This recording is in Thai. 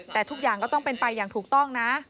แต่ทุกอย่างก็ต้องเป็นไปอย่างถูกต้องนะ